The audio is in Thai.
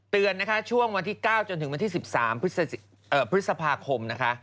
เตือนนะคะช่วงวันที่๙จนถึงวันที่๑๓พฤษภาคมนะคะ